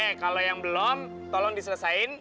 oke kalau yang belum tolong diselesaikan